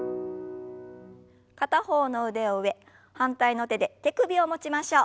片方の腕を上反対の手で手首を持ちましょう。